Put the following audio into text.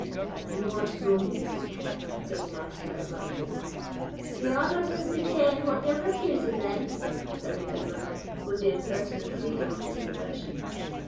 "We want no music," said the Master, abruptly. "Your honour disna ken what ye're refusing, then," said the fiddler, with the impertinent freedom of his profession.